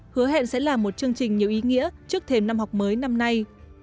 hứa hẹn sẽ là một chương trình nhiều ý nghĩa trước thềm năm học mới năm nay